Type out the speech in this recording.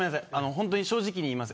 本当に正直に言います。